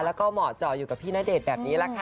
แล้วก็เหมาะจ่ออยู่กับพี่ณเดชน์แบบนี้แหละค่ะ